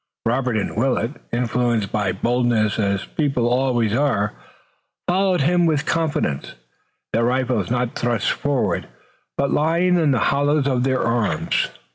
Robert and Willet, influenced by boldness as people always are, followed him with confidence, their rifles not thrust forward, but lying in the hollows of their arms.